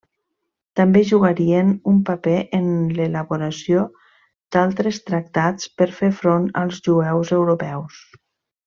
També jugarien un paper en l'elaboració d'altres tractats per fer front als jueus europeus.